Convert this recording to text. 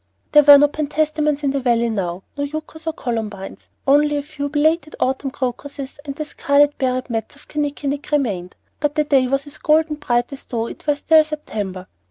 There were no penstamens in the valley now, no yuccas or columbines, only a few belated autumn crocuses and the scarlet berried mats of kinnikinick remained; but the day was as golden bright as though it were still September.